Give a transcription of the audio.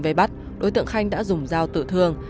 về bắt đối tượng khanh đã dùng dao tự thương